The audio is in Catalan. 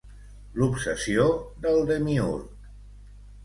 L'obsessió del Demiurg.